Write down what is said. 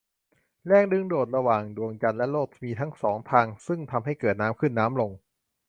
แรงดึงดูดระหว่างดวงจันทร์และโลกมีทั้งสองทางซึ่งทำให้เกิดน้ำขึ้นน้ำลง